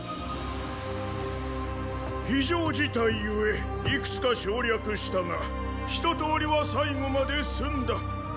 非常事態故いくつか省略したが一通りは最後まで済んだ。